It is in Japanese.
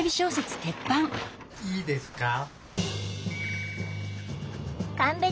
いいですか？